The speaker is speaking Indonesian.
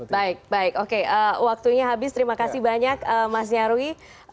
baik baik oke waktunya habis terima kasih banyak mas nyarwi